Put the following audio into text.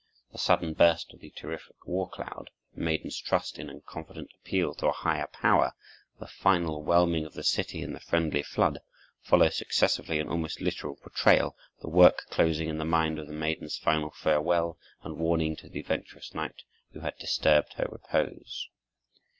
The sudden burst of the terrific war cloud, the maiden's trust in and confident appeal to a higher power, the final whelming of the city in the friendly flood, follow successively in almost literal portrayal, the work closing in the mood of the maiden's final farewell and warning to the adventurous knight who had disturbed her repose.